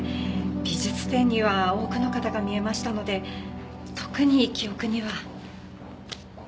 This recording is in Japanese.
美術展には多くの方が見えましたので特に記憶には。